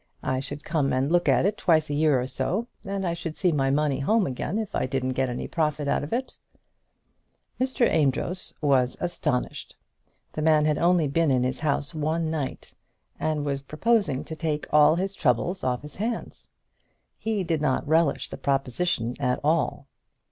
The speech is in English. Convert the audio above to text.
I should come and look at it twice a year or so, and I should see my money home again, if I didn't get any profit out of it." Mr. Amedroz was astonished. The man had only been in his house one night, and was proposing to take all his troubles off his hands. He did not relish the proposition at all.